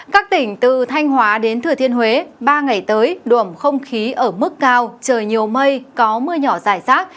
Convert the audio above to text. các tỉnh từ thanh hóa đến thừa thiên huế ba ngày tới đuộm không khí ở mức cao trời nhiều mây có mưa nhỏ dài rác